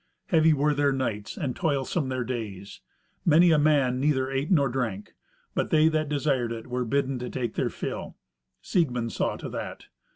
Heavy were their nights and toilsome their days. Many a man neither ate nor drank, but they that desired it were bidden take their fill. Siegmund saw to that.